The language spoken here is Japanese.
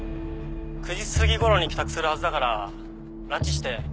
「９時過ぎ頃に帰宅するはずだから拉致して」